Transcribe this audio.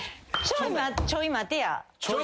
ちょい待てや。